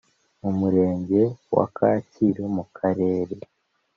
Mu murenge wa kacyiru mu karere